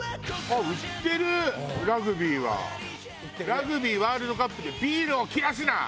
「ラグビーワールドカップで“ビールを切らすな！”」